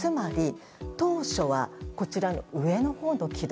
当初は、上のほうの軌道